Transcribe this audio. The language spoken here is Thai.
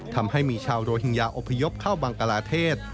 ทำให้มีชาวโรฮิงญาอพยพเข้าบังกลาเทศ